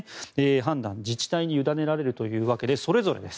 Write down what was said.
判断は自治体に委ねられるということでそれぞれです。